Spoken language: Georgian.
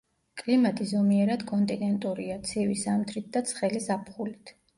კლიმატი ზომიერად კონტინენტურია, ცივი ზამთრით და ცხელი ზაფხულით.